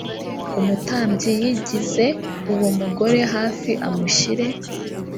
umutambyi yigize uwo mugore hafi amushyire